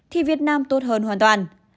thì việt nam tốt hơn hoàn toàn